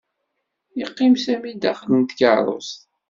Yeqqim Sami daxel n tkarust.